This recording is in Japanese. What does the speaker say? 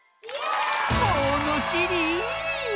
ものしり！